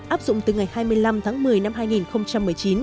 áp dụng từ ngày hai mươi năm tháng một mươi năm hai nghìn một mươi chín